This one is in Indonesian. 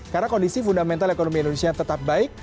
karena kondisi fundamental ekonomi indonesia tetap berubah